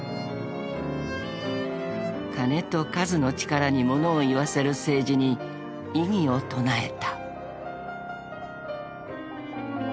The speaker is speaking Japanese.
［金と数の力に物を言わせる政治に異議を唱えた］